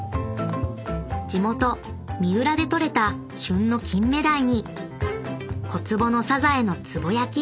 ［地元三浦で取れた旬の金目鯛に小坪のサザエのつぼ焼き］